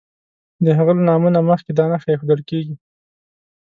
د هغه له نامه نه مخکې دا نښه ایښودل کیږي.